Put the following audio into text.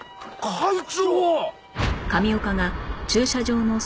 会長！